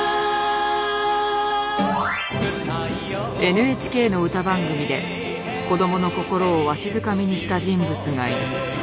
ＮＨＫの歌番組で子どもの心をわしづかみにした人物がいる。